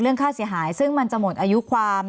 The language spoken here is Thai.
ค่าเสียหายซึ่งมันจะหมดอายุความ